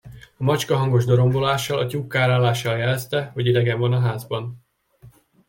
A macska hangos dorombolással, a tyúk kárálással jelezte, hogy idegen van a házban.